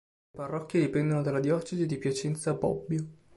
Le parrocchie dipendono dalla diocesi di Piacenza-Bobbio.